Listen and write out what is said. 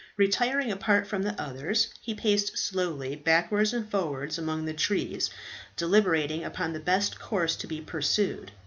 Retiring apart from the others, he paced slowly backwards and forwards among the trees, deliberating upon the best course to be pursued.